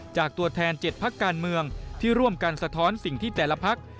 จากตัวแทนเจ็ดภาคการเมืองที่ร่วมการสะท้อนสิ่งที่แต่ละภักดิ์